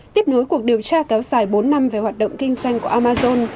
tiếp nối cuộc điều tra kéo dài bốn năm về hoạt động kinh doanh của amazon